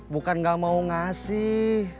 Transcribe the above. bukan gak mau ngasih